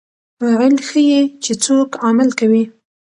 فاعل ښيي، چي څوک عمل کوي.